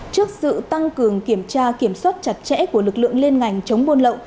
trước sự tăng cường kiểm tra kiểm soát chặt chẽ của lực lượng liên ngành chống buôn lậu